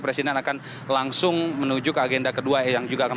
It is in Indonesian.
presiden akan langsung menuju ke agenda kedua yang juga akan